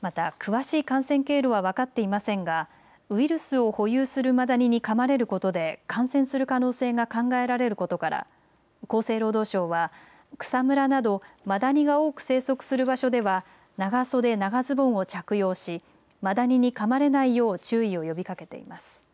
また、詳しい感染経路は分かっていませんがウイルスを保有するマダニにかまれることで感染する可能性が考えられることから厚生労働省は、草むらなどマダニが多く生息する場所では長袖、長ズボンを着用しマダニにかまれないよう注意を呼びかけています。